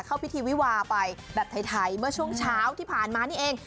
เข้าพิธีวิวาไปแบบไทยเมื่อช่วงเช้าที่ผ่านมานี่เอง